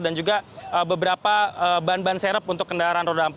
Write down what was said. dan juga beberapa bahan bahan serep untuk kendaraan roda empat